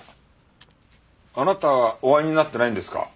あなたお会いになってないんですか？